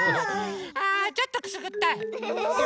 あちょっとくすぐったい。